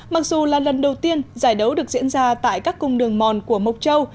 mặc dù là lần đầu tiên giải đấu được diễn ra tại các cung đường mòn của mộc châu